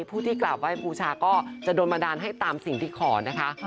ผู้ที่กราบไห้บูชาก็จะโดนบันดาลให้ตามสิ่งที่ขอนะคะ